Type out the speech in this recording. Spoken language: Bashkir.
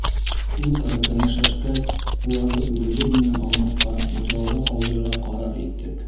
Үҙ-ара кәңәшләшкәс, уларҙы үҙебеҙ менән алмаҫҡа, утрауҙа ҡалдырырға ҡарар иттек.